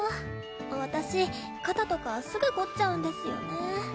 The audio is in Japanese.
私肩とかすぐ凝っちゃうんですよね。